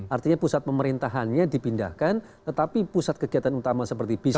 artinya pusat pemerintahannya dipindahkan tetapi pusat kegiatan utama seperti bisnis